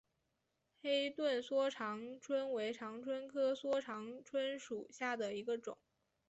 黑盾梭长蝽为长蝽科梭长蝽属下的一个种。